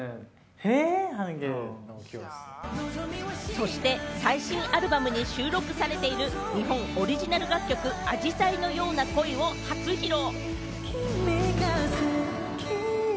そして、最新アルバムに収録されている日本オリジナル楽曲『紫陽花のような恋』を初披露。